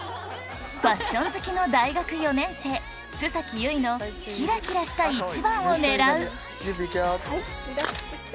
ファッション好きの大学４年生須優衣のキラキラした１番を狙うゆいＰ行くよ。